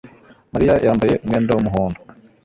Mariya yambaye umwenda wumuhondo